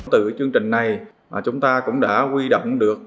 từ chương trình này chúng ta cũng đã quy động được